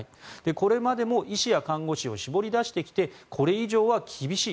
これまでも医師や看護師を絞り出してきてこれ以上は厳しい。